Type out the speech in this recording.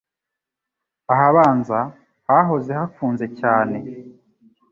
Ahabanza hahoze hafunze cyane